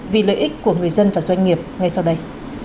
vì lợi ích của người dân và doanh nghiệp ngay sau đây